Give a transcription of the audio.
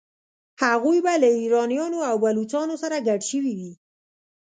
هغوی به له ایرانیانو او بلوڅانو سره ګډ شوي وي.